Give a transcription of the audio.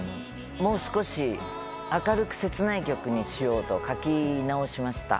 もう少し明るく切ない曲にしようと書き直しました。